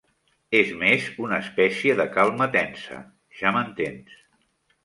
És més una espècie de calma tensa, ja m'entens.